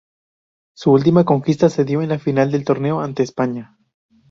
Su última conquista se dio en la final del torneo ante España.